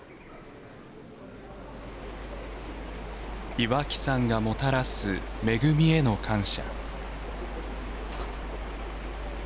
岩木山がもたらす恵みへの感謝。